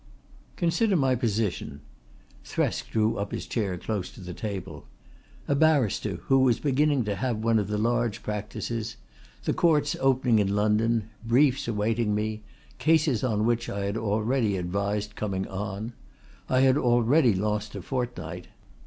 "Consider my position" Thresk drew up his chair close to the table "a barrister who was beginning to have one of the large practices, the Courts opening in London, briefs awaiting me, cases on which I had already advised coming on. I had already lost a fortnight.